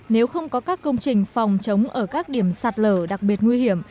nếu không có các công trình phòng chống ở các điểm sạt lở đặc biệt nguy hiểm